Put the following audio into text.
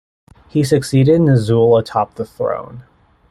He succeeded Nezool atop the throne.